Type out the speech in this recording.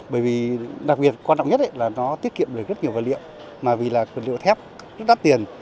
bởi vì đặc biệt quan trọng nhất là nó tiết kiệm được rất nhiều vật liệu mà vì là vật liệu thép đắt tiền